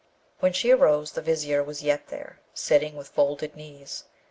When she arose the Vizier was yet there, sitting with folded knees.